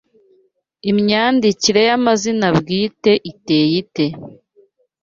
Imyandikire y’amazina bwite iteye ite